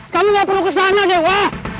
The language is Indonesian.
kamu gak perlu kesana dewa